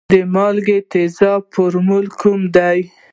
د مالګې د تیزابونو فورمول کوم دی؟